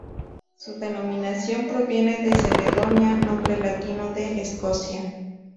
Su denominación proviene de "Caledonia", nombre latino de Escocia.